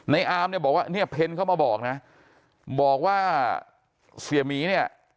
ไน้อามเนี่ยเพนเขามาบอกนะบอกว่าเสียมีเนี่ย